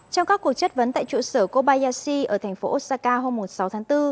trong các cuộc chất vấn tại trụ sở kobayashi ở thành phố osaka hôm sáu tháng bốn